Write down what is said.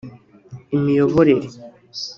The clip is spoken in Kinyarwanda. imiyoborere